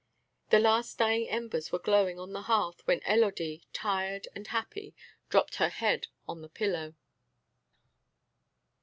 The last dying embers were glowing on the hearth when Élodie, tired and happy, dropped her head on the pillow.